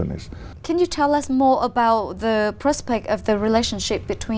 những giá trị của gia đình